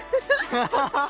ハハハハ。